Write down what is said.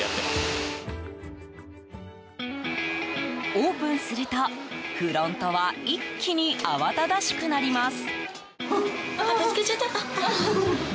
オープンするとフロントは一気に慌ただしくなります。